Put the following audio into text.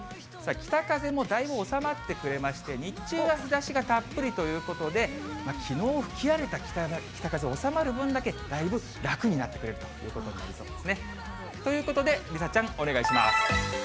北風もだいぶ収まってくれまして、日中は日ざしがたっぷりということで、きのう吹き荒れた北風が収まる分だけ、だいぶ楽になってくれるということになりそうですね。ということで梨紗ちゃん、お願いします。